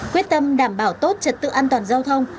quyết tâm đảm bảo tốt trật tự an toàn giao thông